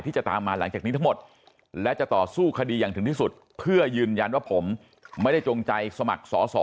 จะตามมาหลังจากนี้ทั้งหมดและจะต่อสู้คดีอย่างถึงที่สุดเพื่อยืนยันว่าผมไม่ได้จงใจสมัครสอสอ